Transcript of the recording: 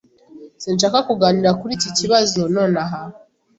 Sinshaka kuganira kuri iki kibazo nonaha.